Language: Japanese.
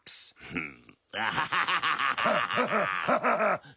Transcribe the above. フン。